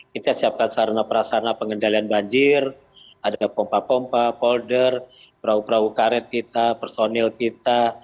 kita siapkan sarana perasana pengendalian banjir ada pompa pompa polder perahu perahu karet kita personil kita